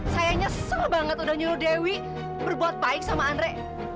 saya nyesel banget udah nyuruh dewi berbuat baik sama andri